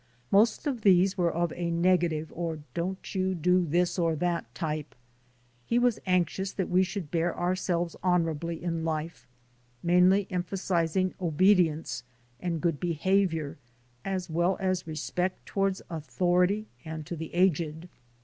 Most of these were of a negative, or don't you do this or that type. He was anxious that we should bear ourselves honorably in life, mainly emphasizing obedience and good be havior as well as respect toward authority and to the aged.